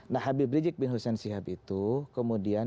nah habib rizik bin hussein sihab itu kemudian